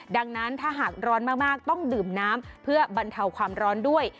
ดังนั้นถ้าหากร้อนมากต้องดื่มน้ำเพื่อบรรเทาความร้อนด้วย